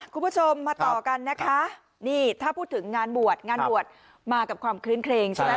คุณผู้ชมมาต่อกันนะคะนี่ถ้าพูดถึงงานบวชงานบวชมากับความคลื้นเครงใช่ไหม